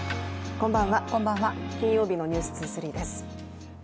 こんばんは、金曜日の「ｎｅｗｓ２３」です。